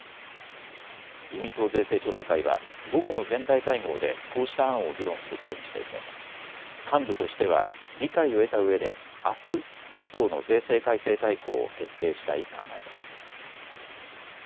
自民党税制調査会は午後の全体会合でこうした案を議論することにしていて幹部としては理解を得たうえであす与党の税制改正大綱を決定したい考えです。